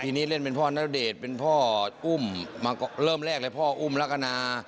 ทีนี้เล่นเป็นพ่อณเดชน์เป็นพ่ออุ้มมาเริ่มแรกเลยพ่ออุ้มลักษณะ